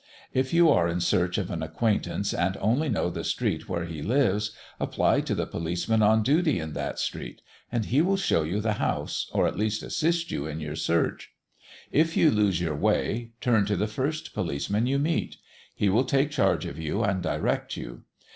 If you are in search of an acquaintance and only know the street where he lives, apply to the policeman on duty in that street, and he will show you the house, or at least assist you in your search. If you lose your way, turn to the first policeman you meet; he will take charge of you and direct you.